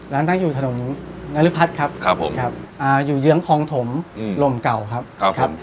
ร้านตั้งอยู่ถนนนาริพัทครับครับผมอยู่เยื้องคองถมลมเก่าครับครับผม